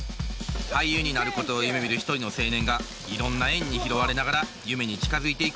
俳優になることを夢みる一人の青年がいろんな縁に拾われながら夢に近づいていく物語です。